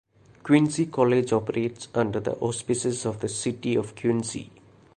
Quincy College operates under the auspices of the City of Quincy.